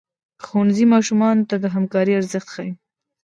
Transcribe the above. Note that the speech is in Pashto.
ښوونځی ماشومانو ته د همکارۍ ارزښت ښيي.